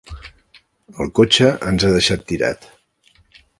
El cotxe ens ha deixat tirat.